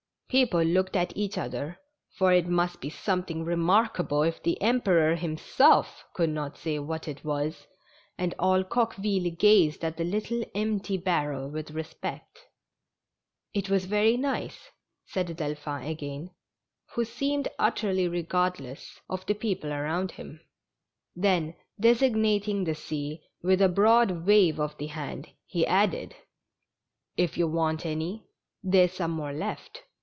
People looked at each other, for it must be something remarkable if the Emperor himself could not say what THE STRANGE CATCH. 216 it was, and all Coqneville gazed at the little empty bar rel with respect. " It was very nice," said Delphin again, who seemed utterly regardless of the people around him. Then, designating the sea with a broad wave of the hand, he added :" If you want any, there's some more left.